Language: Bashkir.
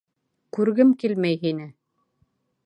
Күргем килмәй һине.